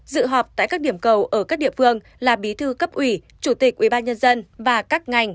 dự họp tại các điểm cầu ở các địa phương là bí thư cấp ủy chủ tịch ubnd và các ngành